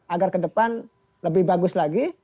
agar ke depan lebih bagus lagi